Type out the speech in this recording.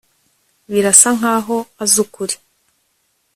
Birasa nkaho azi ukuri